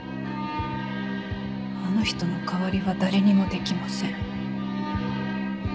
あの人の代わりは誰にもできません。